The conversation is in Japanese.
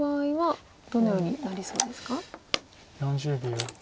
４０秒。